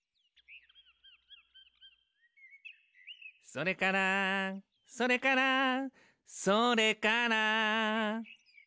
「それからそれからそれから」